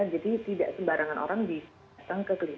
jadi tidak sebarangan orang datang ke klinik